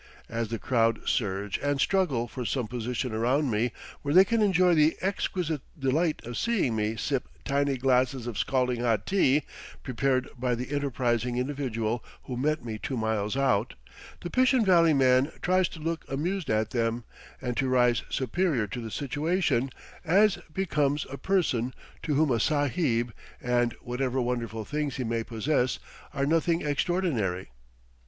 As the crowd surge and struggle for some position around me where they can enjoy the exquisite delight of seeing me sip tiny glasses of scalding hot tea, prepared by the enterprising individual who met me two miles out, the Pishin Valley man tries to look amused at them, and to rise superior to the situation, as becomes a person to whom a Sahib, and whatever wonderful things he may possess, are nothing extraordinary.